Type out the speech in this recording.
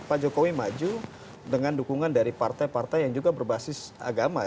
pak jokowi maju dengan dukungan dari partai partai yang juga berbasis agama